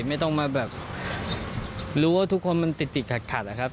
ไม่ต้องมาแบบรู้ว่าทุกคนมันติดติดขัดนะครับ